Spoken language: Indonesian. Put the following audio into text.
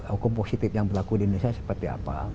hukum positif yang berlaku di indonesia seperti apa